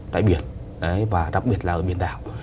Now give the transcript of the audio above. tại biển và đặc biệt là ở biển đảo